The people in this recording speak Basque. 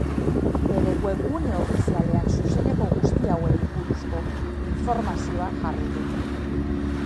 Bere webgune ofizialean zuzeneko guzti hauei buruzko informazioa jarri du.